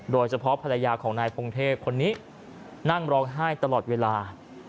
โดยเฉพาะภรรยาของนายพงเทพคนนี้นั่งร้องไห้ตลอดเวลา